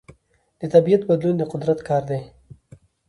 د طبیعت بدلون د قدرت کار دی.